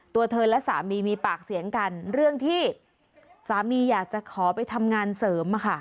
ตัวเธอและสามีมีปากเสียงกันเรื่องที่สามีอยากจะขอไปทำงานเสริม